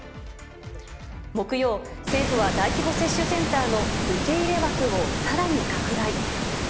木曜、政府は大規模接種センターの受け入れ枠をさらに拡大。